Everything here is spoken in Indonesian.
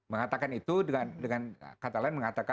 mengatakan itu dengan kata lain mengatakan